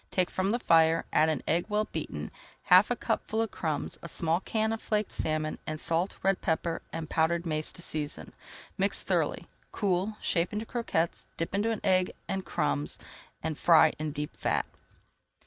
Take from the fire, add an egg well beaten, half a cupful of crumbs, a small can of flaked salmon, and salt, red pepper, and powdered mace to season. Mix thoroughly, cool, shape into croquettes, dip into egg and crumbs, and fry in deep fat.